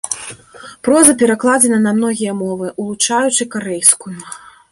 Проза перакладзена на многія мовы, улучаючы карэйскую.